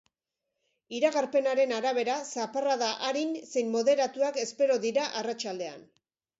Iragarpenaren arabera, zaparrada arin zein moderatuak espero dira arratsaldean.